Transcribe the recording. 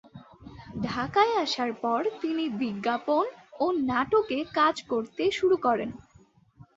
ঢাকায় আসার পর তিনি বিজ্ঞাপন ও নাটকে কাজ করতে শুরু করেন।